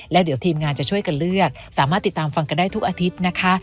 แล้วเดี๋ยวทีมงานจะช่วยกันเลือกสามารถติดตามฟังกันได้ทุกอาทิตย์นะคะ